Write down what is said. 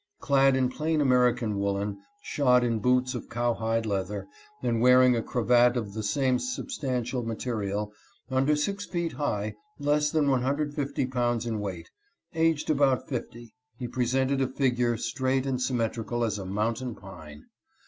Clad in plain Amer ican woolen, shod in boots of cowhide leather, and wear ing a cravat of the same substantial material, under six feet high, less than 150 pounds in weight, aged about fifty, he presented a figure straight and symmetrical as a mountain pine.